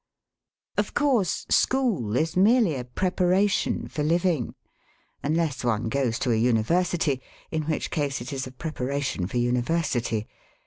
Of course, school is merely a preparation for living; unless one goes to a university, in which case it is a preparation for university.